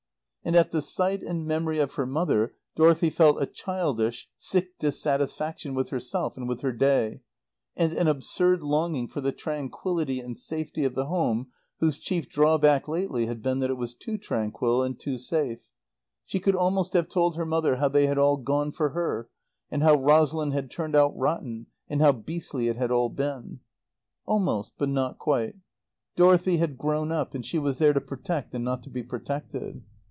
And at the sight and memory of her mother Dorothy felt a childish, sick dissatisfaction with herself and with her day, and an absurd longing for the tranquillity and safety of the home whose chief drawback lately had been that it was too tranquil and too safe. She could almost have told her mother how they had all gone for her, and how Rosalind had turned out rotten, and how beastly it had all been. Almost, but not quite. Dorothy had grown up, and she was there to protect and not to be protected.